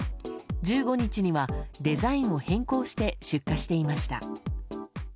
１５日にはデザインを変更して出荷していました。